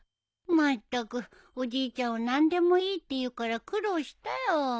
まったくおじいちゃんは「何でもいい」って言うから苦労したよ。